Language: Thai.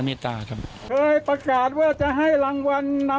ผมรู้ว่าใครคือคนร้ายนะ